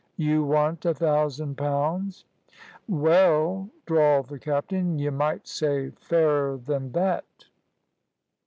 "You want a thousand pounds?" "Well," drawled the captain, "y' might say fairer than thet."